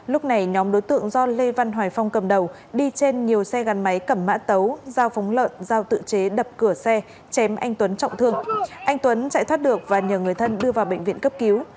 lúc này nhóm đối tượng do lê văn hoài phong cầm đầu đi trên nhiều xe gắn máy cầm mã tấu dao phóng lợn dao tự chế đập cửa xe chém anh tuấn trọng thương anh tuấn chạy thoát được và nhờ người thân đưa vào bệnh viện cấp cứu